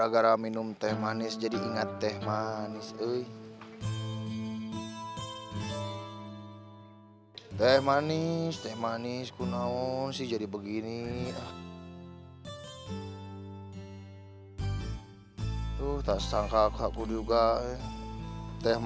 kasihkan teman teman raya om